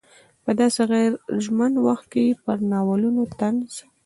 په داسې غیر ژمن وخت کې پر ناولونو طنز.